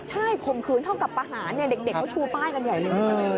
ใช่ข่มขืนเท่ากับประหารเด็กเขาชูป้ายกันใหญ่เลย